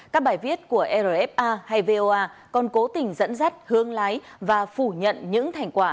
các bài viết của rfa hay voa còn cố tình dẫn dắt hương lái và phủ nhận những thành quả